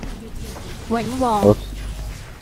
永旺